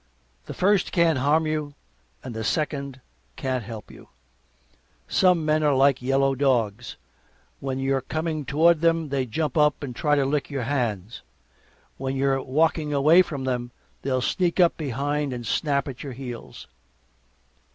The first can't harm you and the second can't help you. Some men are like yellow dogs when you're coming toward them they'll jump up and try to lick your hands; and when you're walking away from them they'll sneak up behind and snap at your heels.